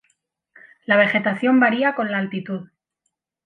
La vegetación varía con la altitud.